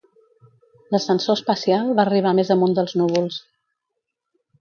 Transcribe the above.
L'ascensor espacial va arribar més amunt dels núvols.